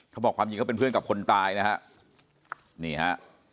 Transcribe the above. เขาบอกความจริงเขาเป็นเพื่อนกับคนตายนะฮะนี่ฮะ